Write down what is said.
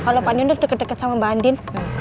kalau pak diunduh deket deket sama mbak andin